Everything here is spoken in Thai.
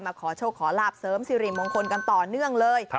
ขอโชคขอลาบเสริมสิริมงคลกันต่อเนื่องเลย